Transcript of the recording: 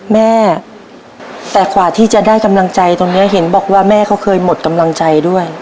แม่แต่กว่าที่จะได้กำลังใจตรงนี้เห็นบอกว่าแม่เขาเคยหมดกำลังใจด้วย